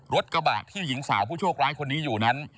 รถกระบะที่หญิงสาวผู้โชคร้ายคนนี้อยู่นั้น